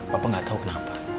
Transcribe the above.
papa gak tau kenapa